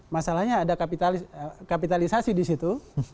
masalahnya ada kapitalisasi di situ